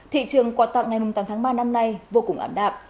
thị trường quạt tặng ngày tám tháng ba năm nay vô cùng ảm đạp